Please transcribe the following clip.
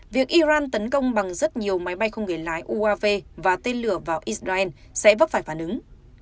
việc iran tấn công bằng rất nhiều máy bay không người lái uav và tên lửa vào israel sẽ vấp phải phản ứng